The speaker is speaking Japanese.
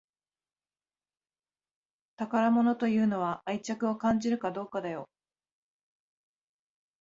宝物というのは愛着を感じるかどうかだよ